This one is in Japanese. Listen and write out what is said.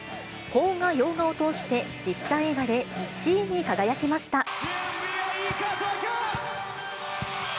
邦画、洋画を通して実写映画で１位に輝きました。